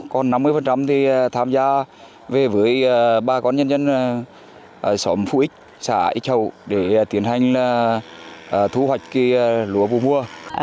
còn năm mươi thì tham gia về với bà con nhân dân xóm phú ích xã ích hậu để tiến hành thu hoạch lúa vô mùa